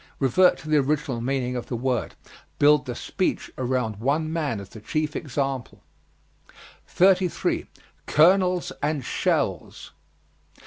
Revert to the original meaning of the word. Build the speech around one man as the chief example. 33. COLONELS AND SHELLS.